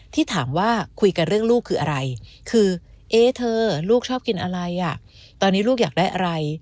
ที่ถามว่าคุยกันเรื่องลูกคืออะไรคือเอ๊เธอลูกชอบกินอะไรอ่ะตอนนี้ลูกอยากได้อะไร